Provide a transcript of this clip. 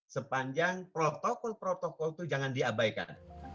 sepanjang protokol protokol itu jangan diabaikan